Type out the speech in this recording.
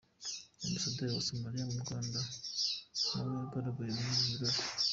Ambasaderi wa Somaliya mu Rwanda nawe yagaragaye muri ibi birori.